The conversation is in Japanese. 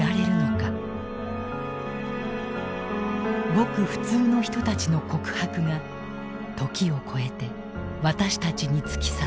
ごく普通の人たちの告白が時を超えて私たちに突き刺さる。